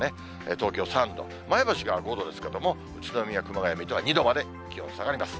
東京３度、前橋が５度ですけれども、宇都宮、熊谷、水戸は２度まで気温下がります。